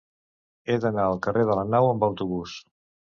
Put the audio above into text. He d'anar al carrer de la Nau amb autobús.